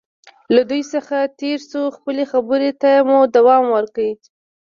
له دوی څخه تېر شو، خپلې خبرې ته مو دوام ورکړ.